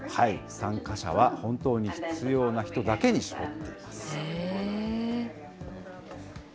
参加者は本当に必要な人だけに絞っています。